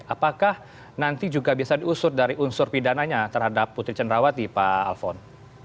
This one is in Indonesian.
apakah nanti juga bisa diusut dari unsur pidananya terhadap putri cenrawati pak alfon